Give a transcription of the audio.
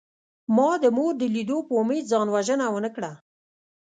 ما د مور د لیدو په امید ځان وژنه ونکړه